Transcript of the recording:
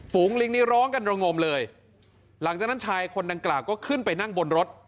ลิงนี้ร้องกันระงมเลยหลังจากนั้นชายคนดังกล่าวก็ขึ้นไปนั่งบนรถ